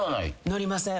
乗りません。